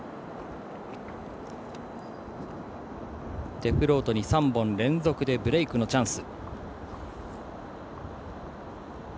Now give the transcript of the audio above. デフロートに３本連続でブレークのチャンス。